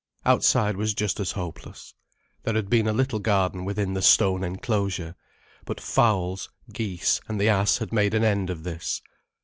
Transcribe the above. Outside was just as hopeless. There had been a little garden within the stone enclosure. But fowls, geese, and the ass had made an end of this.